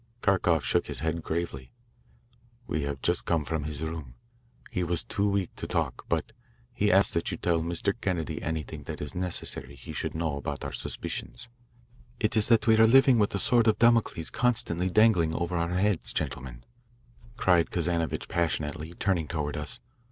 Kharkoff shook his head gravely. "We have just come from his room. He was too weak to talk, but he asked that you tell Mr. Kennedy anything that it is necessary he should know about our suspicions." "It is that we are living with the sword of Damocles constantly dangling over our heads, gentlemen," cried Kazanovitch passionately, turning toward us.